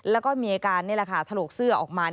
แล้วก็มีอาการนี่แหละค่ะถลกเสื้อออกมา